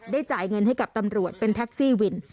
จ่ายเงินให้กับตำรวจเป็นแท็กซี่วิน